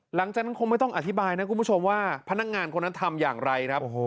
หลังจากนั้นคงไม่ต้องอธิบายนะคุณผู้ชมว่าพนักงานคนนั้นทำอย่างไรครับ